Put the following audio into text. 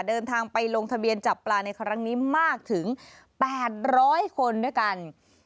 เดินทางไปลงทะเบียนจับปลาในครั้งนี้มากถึง๘๐๐คนด้วยกัน